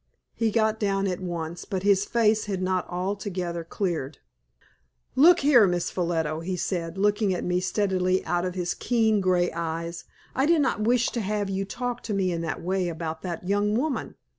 He got down at once, but his face had not altogether cleared. "Look here, Miss Ffolliot," he said, looking at me steadfastly out of his keen, grey eyes, "I do not wish to have you talk to me in that way about that young woman.